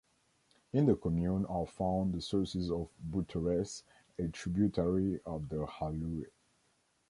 In the commune are found the sources of the Butteresse, a tributary of the Hallue.